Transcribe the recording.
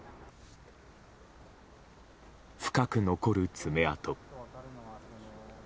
深く残る爪痕。